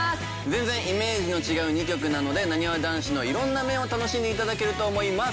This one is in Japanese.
全然イメージの違う２曲なのでなにわ男子の色んな面を楽しんで頂けると思います。